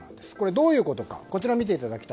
どういうことか。